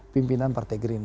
pimpinan partai gerindra